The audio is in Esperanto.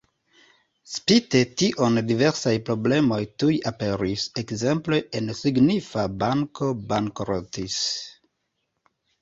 Spite tion diversaj problemoj tuj aperis, ekzemple en signifa banko bankrotis.